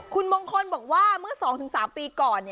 คุณมงคลบอกว่าเมื่อ๒๓ปีก่อน